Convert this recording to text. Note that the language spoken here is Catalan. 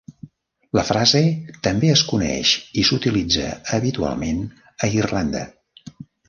La frase també es coneix i s'utilitza habitualment a Irlanda.